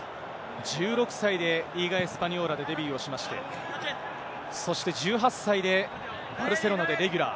１６歳でリーガ・エスパニョーラでデビューをしまして、そして１８歳でバルセロナでレギュラー。